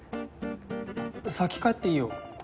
先帰っていいよ。